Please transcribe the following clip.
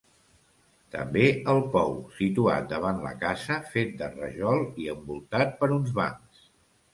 També el pou, situat davant la casa, fet de rajol i envoltat per uns bancs.